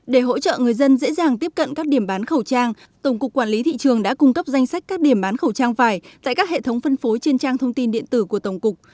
để hỗ trợ người dân dễ dàng tiếp cận các điểm bán khẩu trang tổng cục quản lý thị trường đã cung cấp danh sách các điểm bán khẩu trang vải tại các hệ thống phân phối trên trang thông tin điện tử của tổng cục